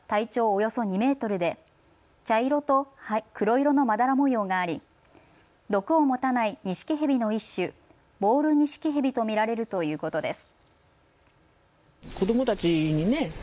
およそ２メートルで茶色と黒色のまだら模様があり毒を持たないニシキヘビの一種、ボールニシキヘビと見られるということです。